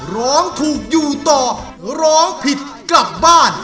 ร้องถูกอยู่ต่อร้องผิดกลับบ้าน